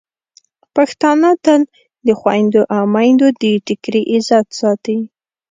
پښتانه تل د خویندو او میندو د ټکري عزت ساتي.